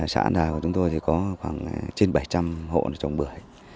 xã hán đà của chúng tôi thì có khoảng trên bảy trăm linh hộ trồng bưởi